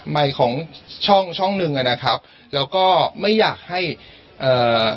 ใหม่ของช่องช่องหนึ่งอ่ะนะครับแล้วก็ไม่อยากให้เอ่อ